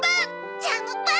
ジャムパン！